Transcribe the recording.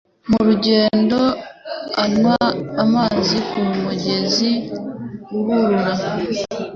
Mu rugendo anywa amazi ku mugezi uhurura